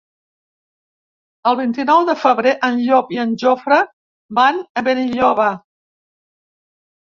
El vint-i-nou de febrer en Llop i en Jofre van a Benilloba.